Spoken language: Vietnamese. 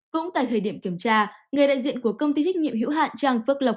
cũng tại thời điểm kiểm tra người đại diện của công ty trách nhiệm hữu hạn trang phước lộc